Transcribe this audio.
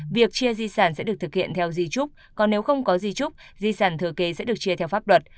việc chia di sản sẽ được thực hiện theo di trúc còn nếu không có di trúc di sản thừa kế sẽ được chia theo pháp luật